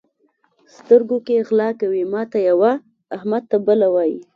سترګو کې غلا کوي؛ ماته یوه، احمد ته بله وایي.